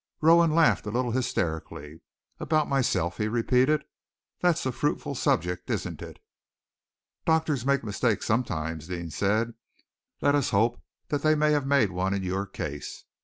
Rowan laughed a little hysterically. "About myself," he repeated. "That's a fruitful subject, isn't it?" "Doctors make mistakes sometimes," Deane said. "Let us hope that they may have made one in your case.